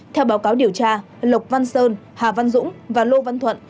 theo báo cáo điều tra lộc văn sơn hà văn dũng và lô văn thuận